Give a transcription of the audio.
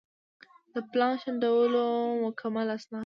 د پلان شنډولو مکمل اسناد